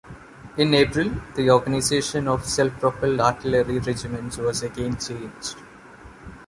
In April, the organization of self-propelled artillery regiments was again changed.